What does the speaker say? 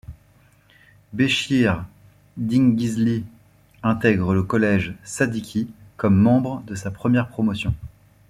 Béchir Dinguizli intègre le Collège Sadiki comme membre de sa première promotion.